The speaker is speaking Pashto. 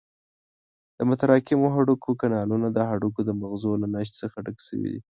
د متراکمو هډوکو کانالونه د هډوکو د مغزو له نسج څخه ډک شوي دي.